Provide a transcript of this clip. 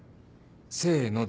せーので。